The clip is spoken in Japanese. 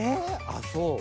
あっそう？